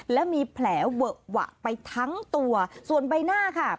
และมีแผลเวอะหวะไปทั้งตัวส่วนใบหน้าค่ะ